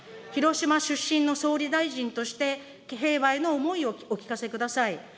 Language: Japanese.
広島出身の総理大臣として、平和への思いをお聞かせください。